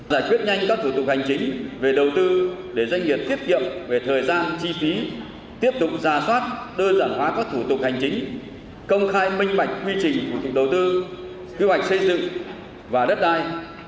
giải quyết nhanh các thủ tục hành chính về đầu tư để doanh nghiệp tiết kiệm về thời gian chi phí tiếp tục giả soát đơn giản hóa các thủ tục hành chính công khai minh mạch quy trình của chủ đầu tư quy hoạch xây dựng và đất đai